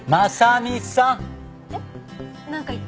えっ？